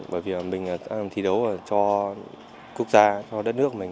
bởi vì mình đang thí đấu cho quốc gia cho đất nước mình